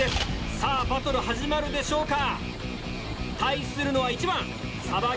さぁバトル始まるでしょうか？